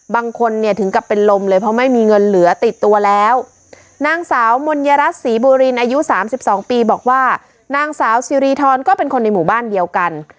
บางคนเนี่ยถึงกับเป็นลมเลยเพราะไม่มีเงินเหลือติดตัวแล้วนางสาวมนยรัฐศรีบูรินอายุสามสิบสองปีบอกว่านางสาวซีรีทรก็เป็นคนในหมู่บ้านเดียวกัน